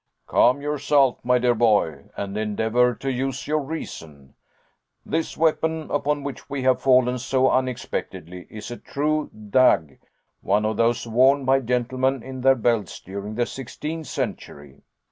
"Calm yourself, my dear boy, and endeavor to use your reason. This weapon, upon which we have fallen so unexpectedly, is a true dague, one of those worn by gentlemen in their belts during the sixteenth century.